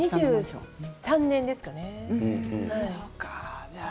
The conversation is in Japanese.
２３年ですね。